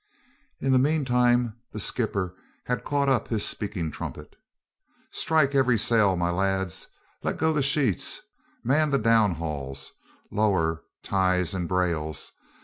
In the meantime the skipper had caught up his speaking trumpet. "Strike every sail, my lads; let go the sheets, man the down hauls, lower ties and brails.